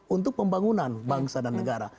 untuk pembangunan bangsa dan negara